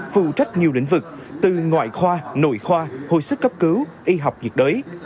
phụ trách nhiều lĩnh vực từ ngoại khoa nội khoa hồi sức cấp cứu y học nhiệt đới